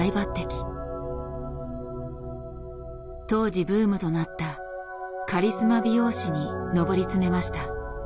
当時ブームとなったカリスマ美容師に上り詰めました。